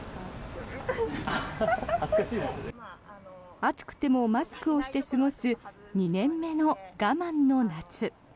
暑くてもマスクをして過ごす２年目の我慢の夏。